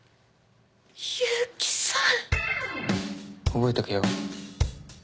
覚えとけよ。